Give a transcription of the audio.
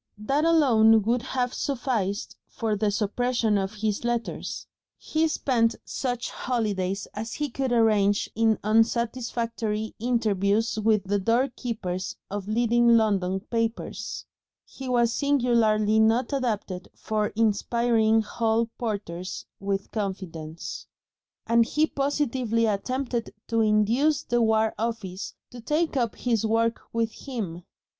That alone would have sufficed for the suppression of his letters. He spent such holidays as he could arrange in unsatisfactory interviews with the door keepers of leading London papers he was singularly not adapted for inspiring hall porters with confidence and he positively attempted to induce the War Office to take up his work with him.